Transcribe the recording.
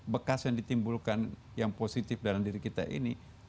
bekas yang ditimbulkan yang positif dalam diri kita ini